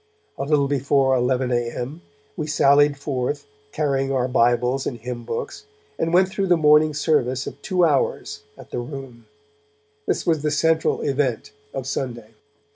A little before 11 a.m. we sallied forth, carrying our Bibles and hymn books, and went through the morning service of two hours at the Room; this was the central event of Sunday.